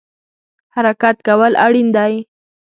حرکت کول اړین دی